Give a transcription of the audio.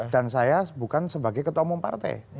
dan saya bukan sebagai ketua umum partai